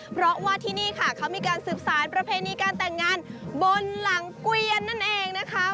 เพราะว่าที่นี่ค่ะเขามีการสืบสารประเพณีการแต่งงานบนหลังเกวียนนั่นเองนะคะ